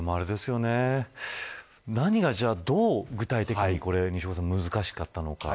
何がどう具体的に西岡さん、難しかったのか。